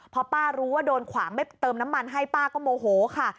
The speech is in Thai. พอป้ารู้ว่าโดนขวางไม่เติมน้ำมันให้ป้าก็โมโหค่ะ